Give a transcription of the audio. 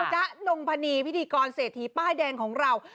จ๊ะนงพนีพิธีกรเศรษฐีป้ายแดงของเรา